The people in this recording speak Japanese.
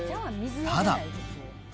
ただ。